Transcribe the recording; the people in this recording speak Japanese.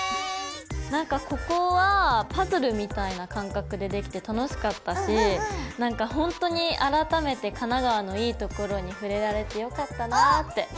なんかここはパズルみたいな感覚でできて楽しかったしなんかほんとに改めて神奈川のいいところに触れられてよかったなって。